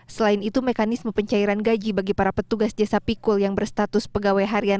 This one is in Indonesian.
selain itu mekanisme pencairan gaji bagi para petugas jasa pikul yang berstatus pegawai harian